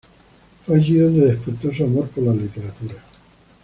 Fue allí donde despertó su amor por la literatura.